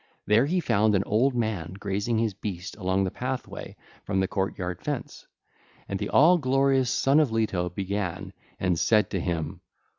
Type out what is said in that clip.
There he found an old man grazing his beast along the pathway from his court yard fence, and the all glorious Son of Leto began and said to him.